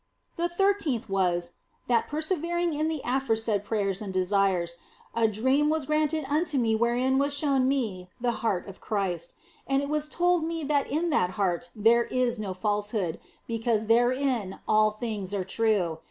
The thirteenth was, that, persevering in the aforesaid prayers and desires, a dream was granted unto me wherein was showed me the Heart of Christ, and it was told me that in that Heart there is no falsehood, because therein all things are true.